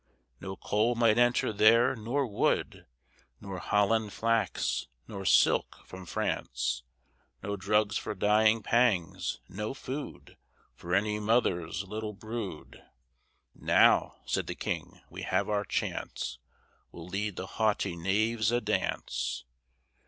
No coal might enter there, nor wood, Nor Holland flax, nor silk from France; No drugs for dying pangs, no food For any mother's little brood. "Now," said the King, "we have our chance, We'll lead the haughty knaves a dance."